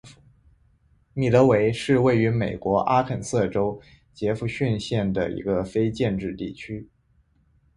米德韦是位于美国阿肯色州杰佛逊县的一个非建制地区。